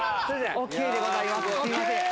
ＯＫでございます。